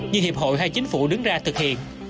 như hiệp hội hay chính phủ đứng ra thực hiện